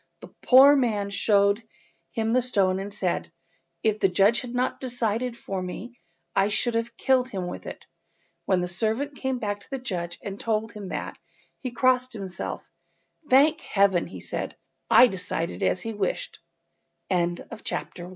The poor man showed him the stone, and said— "If the judge had not decided for me I should have killed him with it." When the servant came back to the judge and told him that, he crossed himself— "Thank Heaven," sai